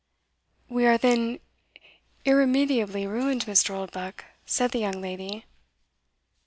"We are then irremediably ruined, Mr. Oldbuck?" said the young lady.